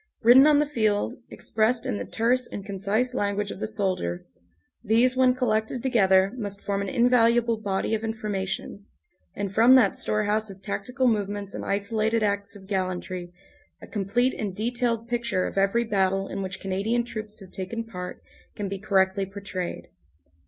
Written on the field, expressed in the terse and concise language of the soldier, these when collected together must form an invaluable body of information, and from that storehouse of tactical movements and isolated acts of gallantry a complete and detailed picture of every battle in which Canadian troops have taken part can be correctly portrayed.